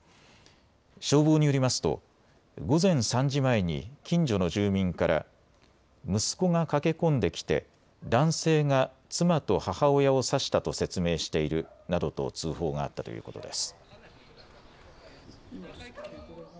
消防によりますと午前３時前に近所の住民から息子が駆け込んできて男性が妻と母親を刺したと説明しているなどと通報があったということです。